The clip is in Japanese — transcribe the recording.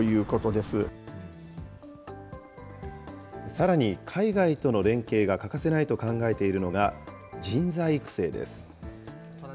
さらに、海外との連携が欠かせないと考えているのが、人材育成です。